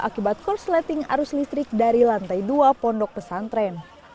akibat korsleting arus listrik dari lantai dua pondok pesantren